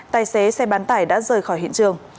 tài xế xe bán tải đã rời khỏi hiện trường